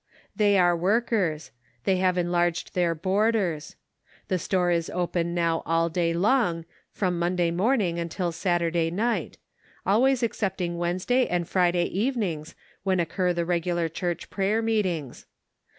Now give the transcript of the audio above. They are workers. They have enlarged their borders. The store is open now all day long, from Monday morning until Saturday night ; always excepting Wednesday and Friday evenings, when occur the regular church prayer meetings.